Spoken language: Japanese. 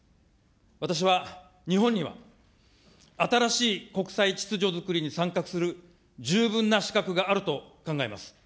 私は日本には、新しい国際秩序づくりに参画する十分な資格があると考えます。